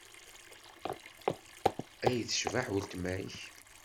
Ay tecbeḥ weltma-k!